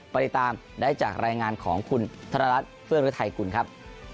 ไปติดตามได้จากรายงานของคุณธนรัฐเฟื้องฤทัยกุลครับ